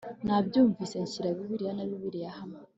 Nabyumvise nshyira bibiri na bibiri hamwe